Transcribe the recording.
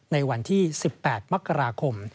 ในวันที่๑๘มกราคม